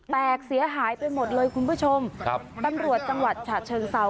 แตกเสียหายไปหมดเลยคุณผู้ชมครับตำรวจจังหวัดฉะเชิงเซา